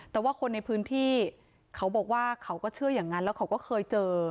แต่ว่าคนในพื้นที่เขาบอกว่าเขาก็เชื่ออย่างนั้นแล้วเขาก็เคยเจอ